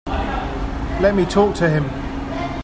Let me talk to him.